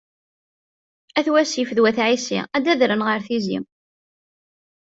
At Wasif d Wat Ɛisi ad adren ɣer Tizi..